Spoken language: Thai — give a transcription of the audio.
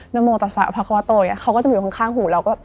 นโมตสาภาควัตโตเขาก็จะอยู่ข้างหูเราก็